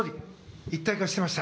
一体化していました。